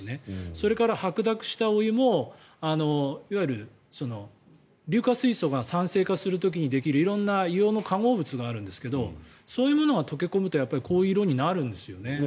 それから白濁したお湯もいわゆる硫化水素が酸性化する時にできる色んな硫黄の化合物があるんですがそういうものが溶け込むとこういう色になるんですよね。